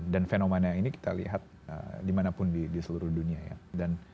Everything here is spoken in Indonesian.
dan fenomena ini kita lihat dimanapun di seluruh dunia ya